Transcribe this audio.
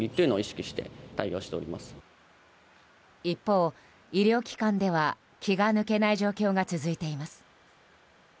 一方、医療機関では気が抜けない状況が続いています。